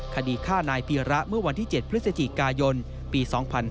คดีฆ่านายพีระเมื่อวันที่๗พฤศจิกายนปี๒๕๕๙